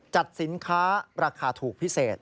จัดสินค้าราคาถูกพิเศษ